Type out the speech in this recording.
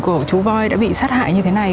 của chú voi đã bị sát hại như thế này